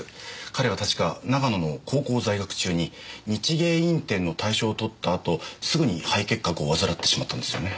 彼は確か長野の高校在学中に日芸院展の大賞をとった後すぐに肺結核を患ってしまったんですよね。